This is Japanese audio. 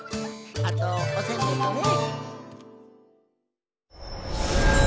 あとおせんべいもね。